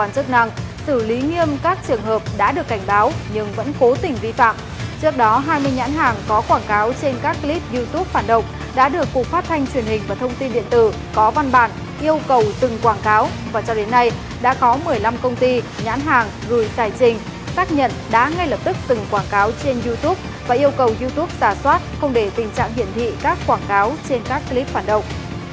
cục phát thanh truyền hình và thông tin điện tử có văn bản yêu cầu từng quảng cáo và cho đến nay đã có một mươi năm công ty nhãn hàng gửi tài trình phát nhận đã ngay lập tức từng quảng cáo trên youtube và yêu cầu youtube xả soát không để tình trạng hiển thị các quảng cáo trên các clip phản động